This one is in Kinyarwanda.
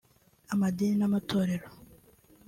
Amadini n’Amatorero